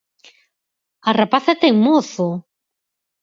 _¡A rapaza ten mozo!